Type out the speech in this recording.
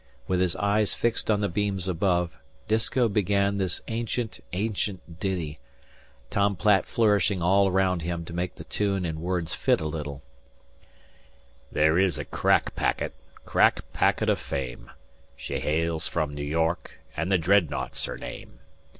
With his eyes fixed on the beams above, Disko began this ancient, ancient ditty, Tom Platt flourishing all round him to make the tune and words fit a little: "There is a crack packet crack packet o' fame, She hails from Noo York, an' the Dreadnought's her name.